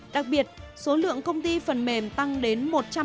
đặc biệt số lượng công ty phần mềm tăng đến một trăm hai mươi bốn